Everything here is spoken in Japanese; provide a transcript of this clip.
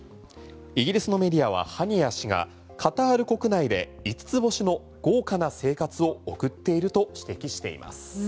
イギリスのメディアはハニヤ氏がカタール国内で５つ星の豪華な生活を送っていると指摘しています。